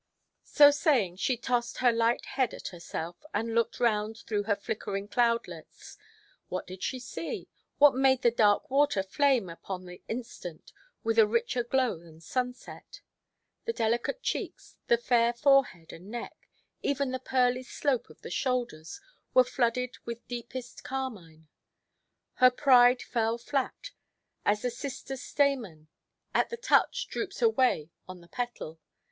So saying, she tossed her light head at herself, and looked round through her flickering cloudlets. What did she see? What made the dark water flame upon the instant with a richer glow than sunset? The delicate cheeks, the fair forehead and neck, even the pearly slope of the shoulders, were flooded with deepest carmine. Her pride fell flat, as the cistus stamen at a touch droops away on the petal.